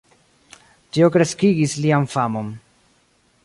Tio kreskigis lian famon.